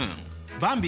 ばんび